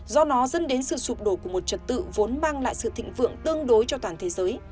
do nó dẫn đến sự sụp đổ của một trật tự vốn mang lại sự thịnh vượng tương đối cho toàn thế giới